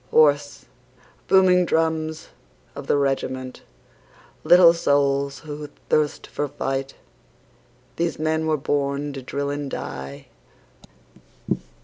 Hoarse, booming drums of the regiment, Little souls who thirst for fight, These men were born to drill and die.